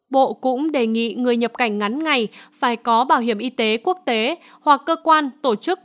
bộ cũng đề nghị người nhập cảnh ngắn ngày phải có bảo hiểm y tế quốc tế hoặc cơ quan tổ chức